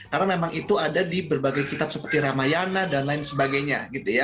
karena memang itu ada di berbagai kitab seperti ramayana dan lain sebagainya